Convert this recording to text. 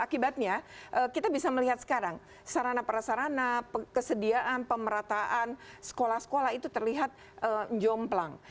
akibatnya kita bisa melihat sekarang sarana perasarana kesediaan pemerataan sekolah sekolah itu terlihat jomplang